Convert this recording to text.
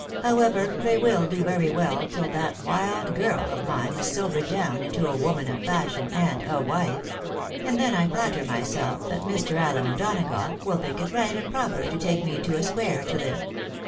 However, they will do very well till that wild girl of mine is sobered down into a woman of fashion, and a wife. And then I flatter myself that Mr. AEen O'Donagough will think it right and proper to take me into a square to live.